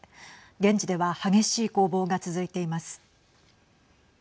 現地では激しい攻防が続いています。